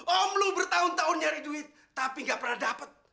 om lu bertahun tahun nyari duit tapi gak pernah dapat